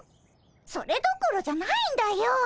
それどころじゃないんだよ。